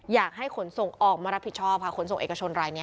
อยากให้ขนส่งออกมารับผิดชอบค่ะขนส่งเอกชนรายนี้